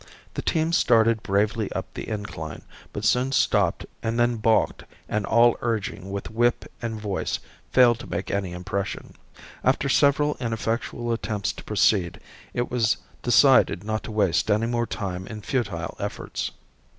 The team started bravely up the incline, but soon stopped and then balked and all urging with whip and voice failed to make any impression. After several ineffectual attempts to proceed it was decided not to waste any more time in futile efforts.